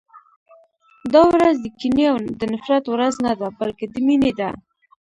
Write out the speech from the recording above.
دا ورځ د کینې او د نفرت ورځ نه ده، بلکې د مینې ده.